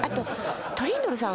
トリンドルさん